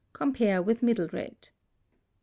Compare with middle red. 3.